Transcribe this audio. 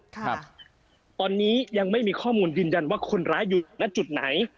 ครับตอนนี้ยังไม่มีข้อมูลยืนยันว่าคนร้ายอยู่ณจุดไหน